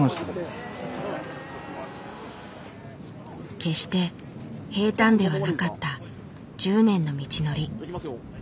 決して平たんではなかった１０年の道のり。